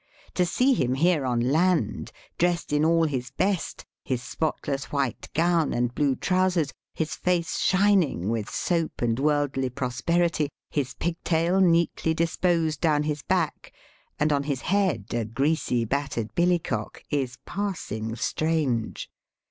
To see him here on land dressed all in his best, his spotless white gown and blue trousers, his face shining with soap and worldly prosperity, his pigtail neatly disposed down his back, and on his head a greasy battered billycock, is passing strange.